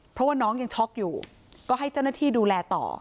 เพราะว่าน้องยังช็อกอยู่ก็ให้เจ้าหน้าที่ดูแลต่อ